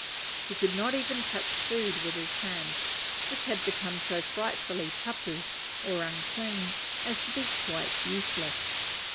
He could not even touch food with his hands; which had become so frightfully tapu, or unclean, as to be quite useless.